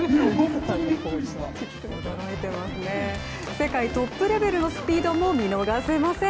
世界トップレベルのスピードも見逃せません。